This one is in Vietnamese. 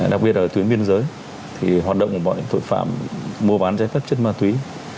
đặc biệt là tuyến biên giới thì hoạt động của bọn tội phạm mua bán giấy phép chất ma túy